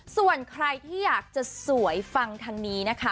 ส่วนใครที่อยากจะสวยฟังทางนี้นะคะ